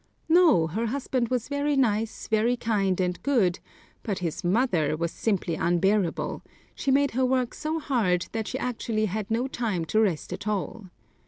No, her husband was very nice, very kind and good, but his mother was simply unbearable; she made her work so hard that she actually had no time to rest at all.